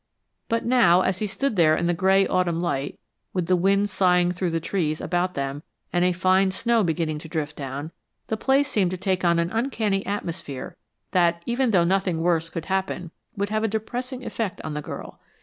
But now, as he stood there in the gray autumn light, with the wind sighing through the trees about them and a fine snow beginning to drift down, the place seemed to take on an uncanny atmosphere that, even though nothing worse could happen, would have a depressing effect on the girl.